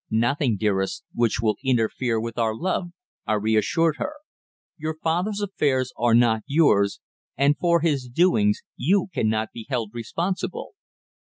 "Nothing, dearest, which will interfere with our love," I reassured her. "Your father's affairs are not yours, and for his doings you cannot be held responsible."